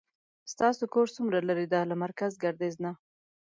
ستاسو کور څومره لری ده له مرکز ګردیز نه